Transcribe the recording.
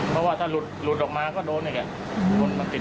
เพราะว่าถ้าหลุดหลุดออกมาก็โดนแบบนี้